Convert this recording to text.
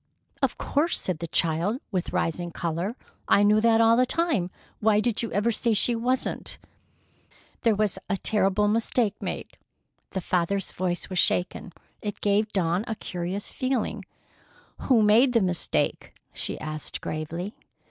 "Of course," said the child, with rising color. "I knew that all the time. Why did you ever say she wasn't?" "There was a terrible mistake made." The father's voice was shaken. It gave Dawn a curious feeling. "Who made the mistake?" she asked gravely.